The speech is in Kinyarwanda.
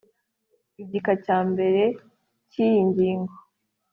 igika cya mbere cy iyi ngingo